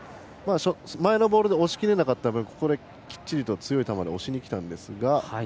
前のボールで押し切れなかった分ここできっちりと強い球で押しにきたんですが。